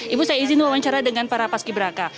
ibu saya izin wawancara dengan para pas gibraka